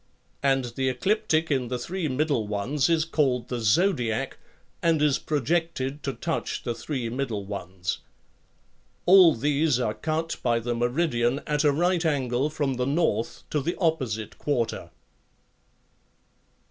And the ecliptic in the three middle ones is THALES 7 called the zodiac and is projected to touch the three middle ones. All these are cut by the meridian at a right angle from the north to the opposite quarter.